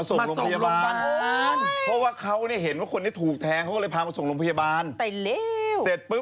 ถึงหรือไม่น่าถึงหรือเขาเช็คแล้วเหรอ